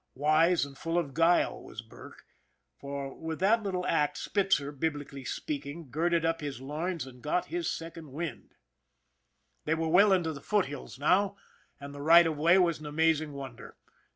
Wise and full of guile was Burke, for with that little act Spitzer, biblically speaking, girded up his loins and got his second wind. They were well into the foothills now, and the right of way was an amazing wonder.